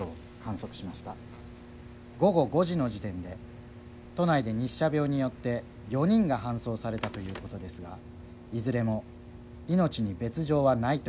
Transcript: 午後５時の時点で都内で日射病によって４人が搬送されたということですがいずれも命に別状はないということです。